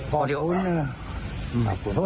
พอเดี๋ยว